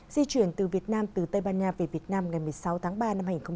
di chuyển từ việt nam từ tây ban nha về việt nam ngày một mươi sáu tháng ba năm hai nghìn hai mươi